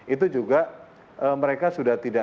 itu juga mereka sudah tidak